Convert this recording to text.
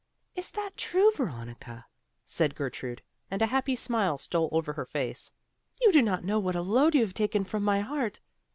"Is that true, Veronica?" said Gertrude, and a happy smile stole over her face. "You do not know what a load you have taken from my heart!